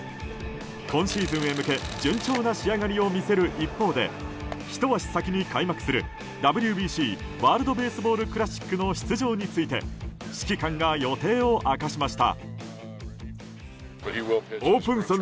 今シーズンへ向け順調な仕上がりを見せる一方でひと足先に開幕するＷＢＣ・ワールド・ベースボール・クラシックの出場について指揮官が予定を明かしました。